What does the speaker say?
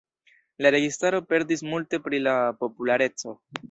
La registaro perdis multe pri la populareco.